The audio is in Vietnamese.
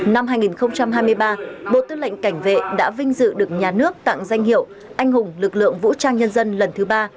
năm hai nghìn hai mươi ba bộ tư lệnh cảnh vệ đã vinh dự được nhà nước tặng danh hiệu anh hùng lực lượng vũ trang nhân dân lần thứ ba